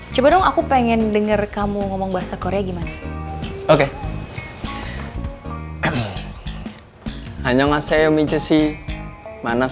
coba dong aku pengen denger kamu ngomong bahasa korea gimana